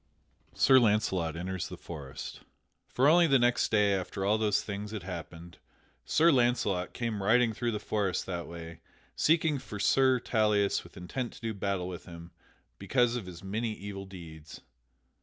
[Sidenote: Sir Launcelot enters the forest] For only the next day after all these things had happened, Sir Launcelot came riding through the forest that way, seeking for Sir Tauleas with intent to do battle with him because of his many evil deeds.